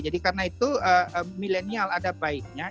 jadi karena itu milenial ada baiknya